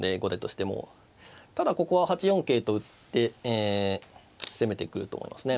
ただここは８四桂と打って攻めてくると思いますね。